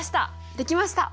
できました！